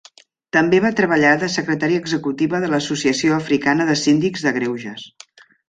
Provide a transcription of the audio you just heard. També va treballar de secretària executiva de l'associació africana de síndics de greuges.